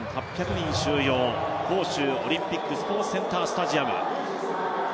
人収容杭州オリンピックスポーツセンタースタジアム。